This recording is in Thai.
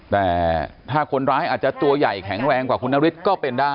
แต่ถ้าคนร้ายอาจจะตัวใหญ่แข็งแรงกว่าคุณนฤทธิ์ก็เป็นได้